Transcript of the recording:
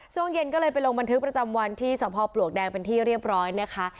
ช่วงเย็นก็เลยไปลงบันทึกประจำวันที่สพปลวกแดงเป็นที่เรียบร้อยนะคะ